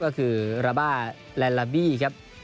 ก็คือราบ้าแลนลาบี้ครับ